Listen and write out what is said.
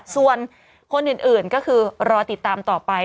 ส่วนคนอื่นก็คือรอติดตามต่อไป